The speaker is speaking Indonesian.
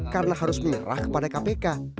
karena harus menyerah kepada kpk